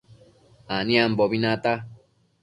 Aniambobi nata